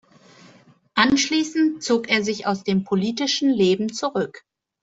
Anschließend zog er sich aus dem politischen Leben zurück.